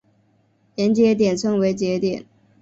连接点称为节点。